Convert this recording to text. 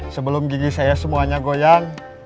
sebelum gigi saya semuanya goyang